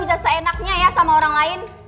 bisa seenaknya ya sama orang lain